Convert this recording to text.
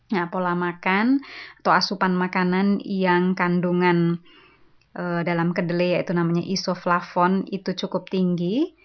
nah pola makan atau asupan makanan yang kandungan dalam kedelai yaitu namanya isoflavon itu cukup tinggi